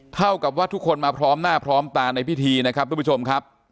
เท่ากับว่าทุกคนมาพร้อมหน้าพร้อมตาในพิธีนะครับทุกผู้ชมครับ